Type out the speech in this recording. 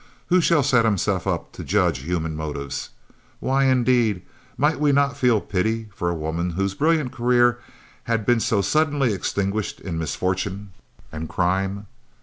Who shall set himself up to judge human motives. Why, indeed, might we not feel pity for a woman whose brilliant career had been so suddenly extinguished in misfortune and crime?